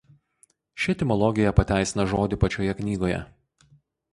Ši etimologija pateisina žodį pačioje knygoje.